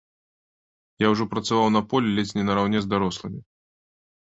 Я ўжо працаваў на полі ледзь не нараўне з дарослымі.